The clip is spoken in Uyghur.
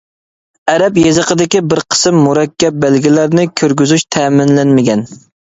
ئەرەب يېزىقىدىكى بىر قىسىم مۇرەككەپ بەلگىلەرنى كىرگۈزۈش تەمىنلەنمىگەن.